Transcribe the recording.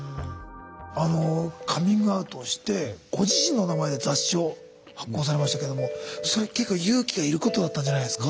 あのカミングアウトしてご自身の名前で雑誌を発行されましたけどもそれ結構勇気がいることだったんじゃないですか。